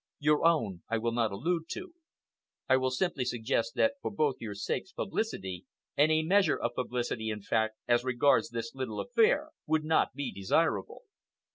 Your own I will not allude to. I will simply suggest that for both your sakes publicity—any measure of publicity, in fact, as regards this little affair—would not be desirable."